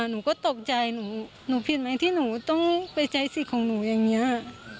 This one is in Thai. หนูก็ตกใจหนูผิดไหมที่หนูต้องไปใช้สิทธิ์ของหนูอย่างนี้